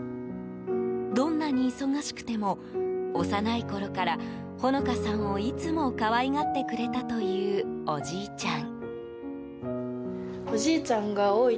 どんなに忙しくても幼いころから穂乃花さんをいつも可愛がってくれたというおじいちゃん。